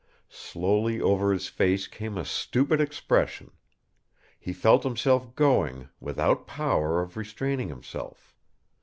Slowly over his face came a stupid expression. He felt himself going, without power of retraining himself.